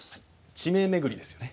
地名めぐりですよね。